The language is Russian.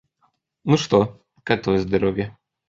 Ну, что, как твое здоровье?